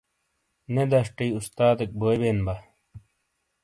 نےدشٹیی استادیک بوئی بین با ۔